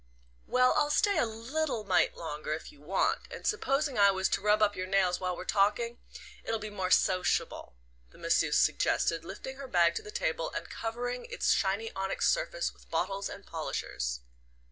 "Well I'll stay a little mite longer if you want; and supposing I was to rub up your nails while we're talking? It'll be more sociable," the masseuse suggested, lifting her bag to the table and covering its shiny onyx surface with bottles and polishers.